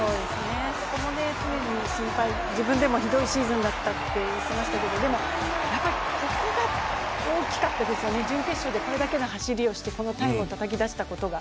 そこも常に心配、自分でもひどいシーズンだったと言ってますがでもやっぱりここが大きかったですよね、準決勝でこれだけの走りをしてこのタイムをたたき出したことが。